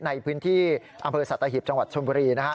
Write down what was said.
ในพื้นที่อำเภอสัตว์อาหิบจังหวัดชมพุรี